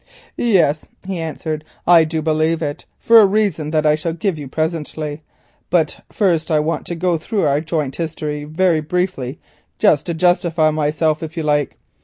"Yes," he answered, "I do believe it for a reason that I shall give you presently. But first I want to go though our joint history, very briefly, just to justify myself if you like.